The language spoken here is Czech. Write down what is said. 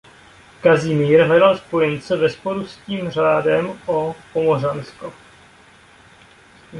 Kazimír hledal spojence ve sporu s tímto řádem o Pomořansko.